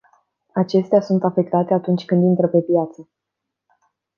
Acestea sunt afectate atunci când intră pe piață.